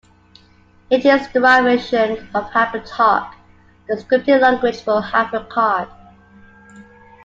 It is a derivation of HyperTalk, the scripting language for HyperCard.